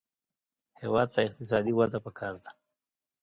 هېواد ته اقتصادي وده پکار ده